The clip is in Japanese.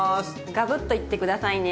ガブッといって下さいね！